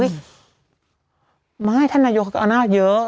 อุ๊ยไม่ท่านนายกก็อำนาจเยอะ